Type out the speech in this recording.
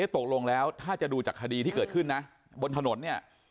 ตกลงแล้วถ้าจะดูจากคดีที่เกิดขึ้นนะบนถนนเนี่ย